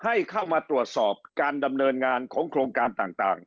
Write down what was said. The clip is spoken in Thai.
ให้เข้ามาตรวจสอบการดำเนินงานของโครงการต่าง